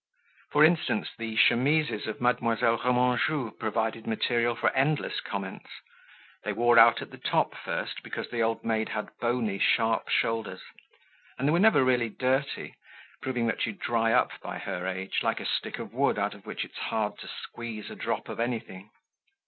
For instance, the chemises of Mademoiselle Remanjou provided material for endless comments: they wore out at the top first because the old maid had bony, sharp shoulders; and they were never really dirty, proving that you dry up by her age, like a stick of wood out of which it's hard to squeeze a drop of anything.